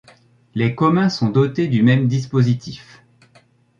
Les communs sont dotés du même dispositif.